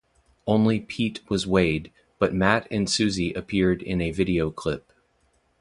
Only Pete was weighed, but Matt and Suzy appeared in a video clip.